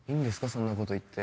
そんなこと言って。